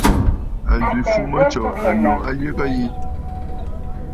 A zwì fûm tso annù a yəgə yi.